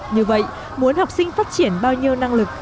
như vậy muốn học sinh phát triển bao nhiêu năng lực